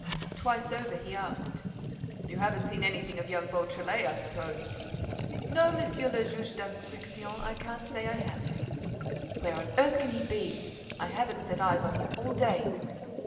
Twice over, he asked: "You haven't seen anything of young Beautrelet, I suppose?" "No, Monsieur le Juge d'Instruction, I can't say I have." "Where on earth can he be? I haven't set eyes on him all day!"